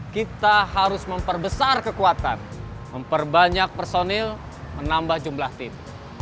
kita harus memperbesar kekuatan memperbanyak personil menambah jumlah tim